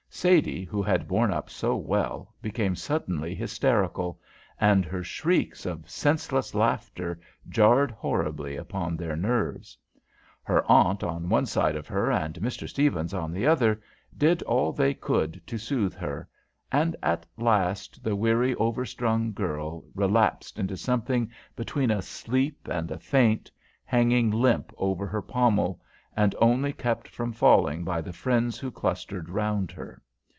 Sadie, who had borne up so well, became suddenly hysterical, and her shrieks of senseless laughter jarred horribly upon their nerves. Her aunt on one side of her and Mr. Stephens on the other did all they could to soothe her, and at last the weary, over strung girl relapsed into something between a sleep and a faint, hanging limp over her pommel, and only kept from falling by the friends who clustered round her.